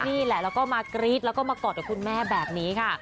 นี่แหละแล้วก็มากรี๊ดแล้วก็มากอดกับคุณแม่แบบนี้ค่ะ